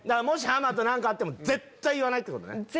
もしハマと何かあっても絶対言わないってことね。